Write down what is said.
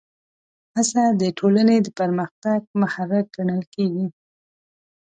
هڅه د ټولنې د پرمختګ محرک ګڼل کېږي.